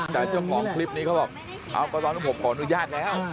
แต่เจ้าของคลิปนี้เขาบอกเอาก็ตอนนั้นผมขออนุญาตแล้ว